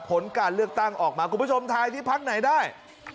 ผลการเลือกตั้งออกมาคุณผู้ชมทายที่พักไหนได้